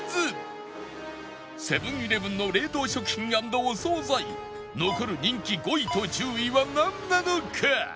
セブン−イレブンの冷凍食品＆お惣菜残る人気５位と１０位はなんなのか？